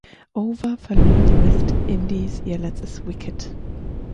Over verloren die West Indies ihr letztes Wicket.